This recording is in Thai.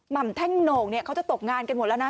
่ำแท่งโหน่งเนี่ยเขาจะตกงานกันหมดแล้วนะ